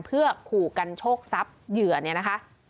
เพื่อขู่กันโชคทรัพย์เหยื่อเนี่ยนะคะ